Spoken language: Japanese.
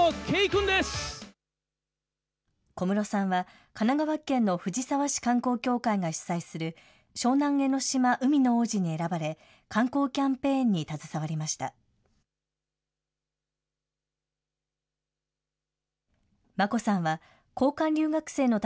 小室さんは、神奈川県の藤沢市観光協会が主催する湘南江の島海の王子に選ばれ、観光キャンペーンに携わりました。